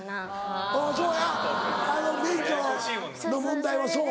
うんそうや免許の問題はそう。